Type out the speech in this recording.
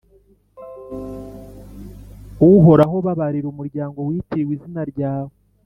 Uhoraho, babarira umuryango witiriwe izina ryawe,